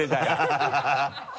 ハハハ